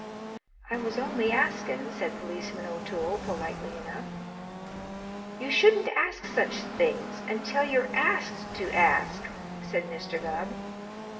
"I was only askin'," said Policeman O'Toole politely enough. "You shouldn't ask such things until you're asked to ask," said Mr. Gubb.